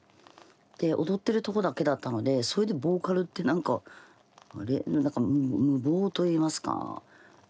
で踊ってるとこだけだったのでそれでボーカルって何かあれ何だか無謀といいますか大丈夫なのかなっていう。